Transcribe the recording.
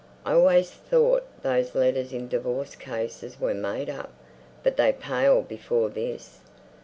"I always thought those letters in divorce cases were made up. But they pale before this."